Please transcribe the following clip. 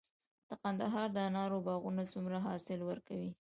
د کندهار د انارو باغونه څومره حاصل ورکوي؟